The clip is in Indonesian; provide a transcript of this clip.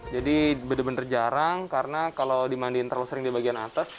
jadi benar benar jarang karena kalau dimandikan terlalu sering di bagian atas